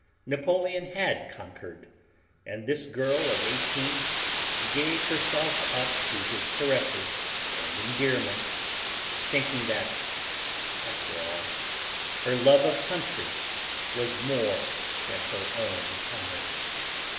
Napoleon had conquered, and this girl of eighteen gave herself up to his caresses and endearments, thinking that, after all, her love of country was more than her own honor.